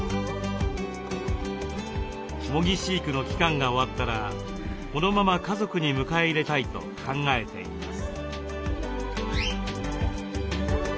模擬飼育の期間が終わったらこのまま家族に迎え入れたいと考えています。